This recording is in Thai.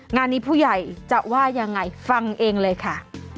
งานนี้ผู้ใหญ่จะว่ายังไงฟังเองเลยค่ะ